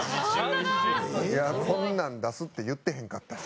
いやこんなん出すって言ってへんかったし。